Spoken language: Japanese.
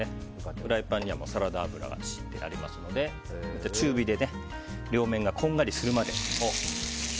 フライパンにはサラダ油が敷いてありますので中火で両面がこんがりするまで。